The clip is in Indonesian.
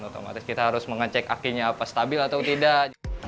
otomatis kita harus mengecek akinya apa stabil atau tidak